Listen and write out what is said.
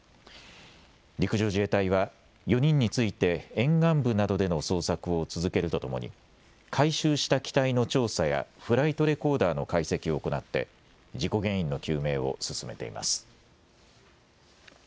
陸上自衛隊は４人について沿岸部などでの捜索を続けるとともに回収した機体の調査やフライトレコーダーの解析を行って事故原因の究明を進めています。